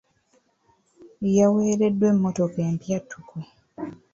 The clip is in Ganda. Yaweereddwa emmotoka empya ttuku.